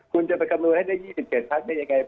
คุณจะไปคำนวณให้ได้๒๗พักได้ยังไง